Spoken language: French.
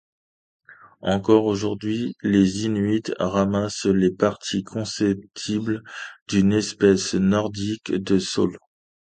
Encore aujourd'hui, les Inuits ramassent les parties comestibles d'une espèce nordique de saules.